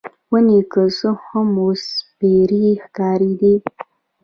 ونې که څه هم، اوس سپیرې ښکارېدې.